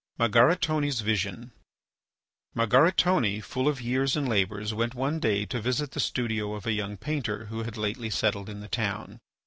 MARGARITONE'S VISION Margaritone, full of years and labours, went one day to visit the studio of a young painter who had lately settled in the town.